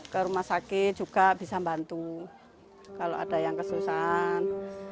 ke rumah sakit juga bisa membantu kalau ada yang kesusahan